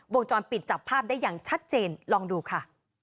วงจรปิดจับภาพได้อย่างชัดเจนลองดูค่ะ